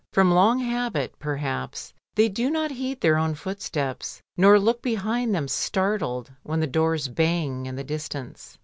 From long habit, perhaps, they do not heed their own footsteps, nor look behind them startled when the doors bang in the distance.